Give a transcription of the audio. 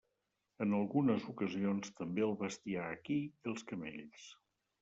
En algunes ocasions també el bestiar equí i els camells.